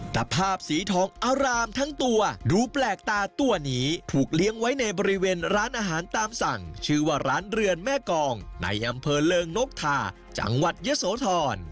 แต่ภาพสีทองอารามทั้งตัวดูแปลกตาตัวนี้ถูกเลี้ยงไว้ในบริเวณร้านอาหารตามสั่งชื่อว่าร้านเรือนแม่กองในอำเภอเริงนกทาจังหวัดยะโสธร